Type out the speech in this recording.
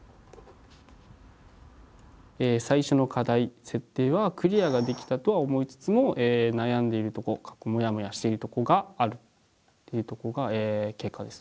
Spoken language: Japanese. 最初の課題設定はクリアができたとは思いつつも悩んでいるとこモヤモヤしているとこがあるというとこが結果です。